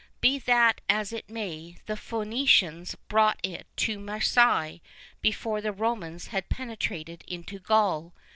Be that as it may, the Phocians brought it to Marseilles before the Romans had penetrated into Gaul.